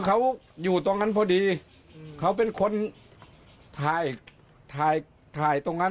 ก็คงอกหักชำระ